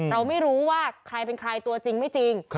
เราไม่รู้ว่าใครเป็นใครตัวจริงไม่จริง